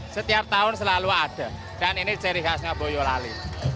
setiap tahun selalu ada dan ini ciri khasnya boyolali